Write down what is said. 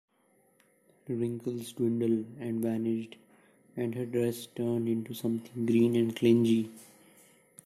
Wrinkles dwindled and vanished, and her dress turned into something green and clingy.